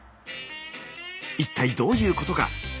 一体どういうことか。